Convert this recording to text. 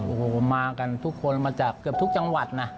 โอ้โหมากันทุกคนมาจากเกือบทุกจังหวัดนะ